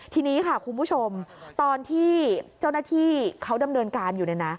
ทีนี้ค่ะคุณผู้ชมตอนที่เจ้าหน้าที่เขาดำเนินการอยู่เนี่ยนะ